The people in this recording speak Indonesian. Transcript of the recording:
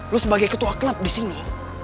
lo sebagai ketua klub disini